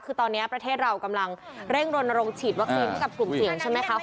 คือตอนนี้ประเทศเรากำลังเร่งรณรงค์ฉีดวัคซีนให้กับกลุ่มเสี่ยงใช่ไหมคะ